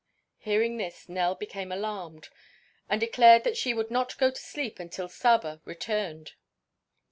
Hearing this Nell became alarmed and declared that she would not go to sleep until Saba returned.